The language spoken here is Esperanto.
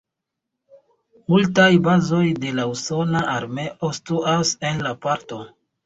Multaj bazoj de la usona armeo situas en la parto.